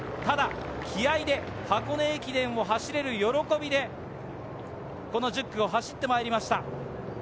ただ気合いで箱根駅伝を走れる喜びで、この１０区を走ってきました。